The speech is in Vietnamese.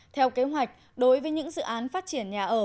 theo kế hoạch đối với những dự án phát triển nhà ở